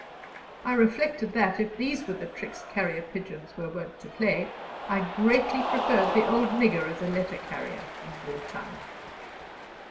I reflected that, if these were the tricks carrier pigeons were wont to play, I greatly preferred the old nigger as a letter carrier in wartime.